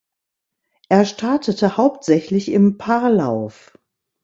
Er startete hauptsächlich im Paarlauf.